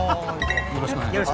よろしくお願いします。